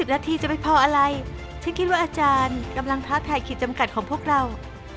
นาทีจะไม่พออะไรฉันคิดว่าอาจารย์กำลังท้าทายขีดจำกัดของพวกเรา